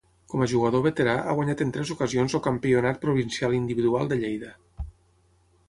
Com a jugador veterà ha guanyat en tres ocasions el Campionat Provincial Individual de Lleida.